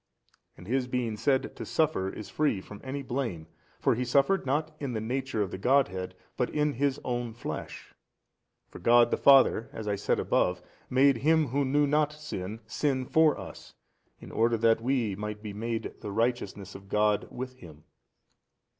And His being said to suffer is free from any blame, for He suffered not in the nature of the Godhead but in His own flesh: for God the Father as I said above, made Him Who knew not sin sin for us, in order that we might be made the righteousness of God with 58 Him.